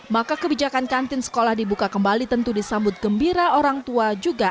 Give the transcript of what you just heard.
maka kebijakan kantin sekolah dibuka kembali tentu disambut gembira orang tua juga